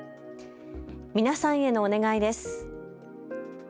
皆さんへのお願いです。